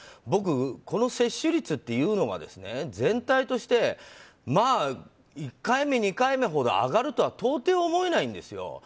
僕、この接種率というのが全体として１回目、２回目ほど上がるとは到底思えないんですよ。